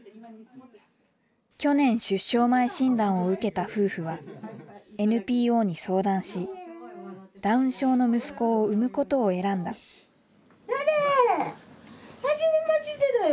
去年出生前診断を受けた夫婦はＮＰＯに相談しダウン症の息子を生むことを選んだはじめましてだよ。